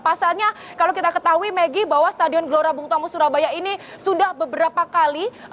pasalnya kalau kita ketahui maggie bahwa stadion gelora bung tomo surabaya ini sudah beberapa kali